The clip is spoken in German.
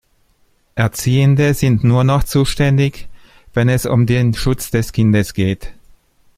Erziehende sind nur noch zuständig, wenn es um den Schutz des Kindes geht.